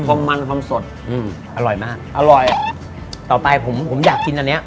ความมันความสดอืมอร่อยมากอร่อยต่อไปผมผมอยากกินอันเนี้ย